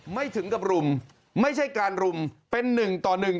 ไม่ถึงกับรุมไม่ใช่การรุมเป็นหนึ่งต่อหนึ่ง